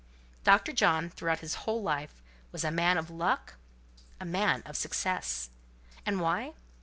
Dr. John, throughout his whole life, was a man of luck—a man of success. And why?